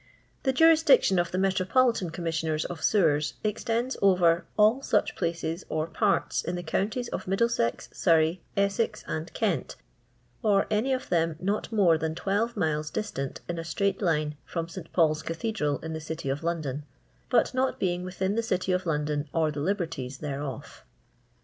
The jurisdiction of the Metropolitan sioners of Sewers extends over "all sw or parts in the counties of Middlesex, Sorrey, Essex, and Kent, or any of them not miore tAan twtlvt mile* dittant in a straiakt lim from SL PauCs Cathedral, in the City qf London, bat not being within the City of Iiondon or the libotiet thereof."